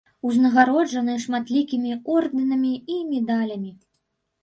Узнагароджаны шматлікімі ордэнамі і медалямі.